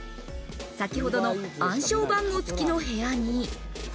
先ほどの暗証番号つきの部屋に。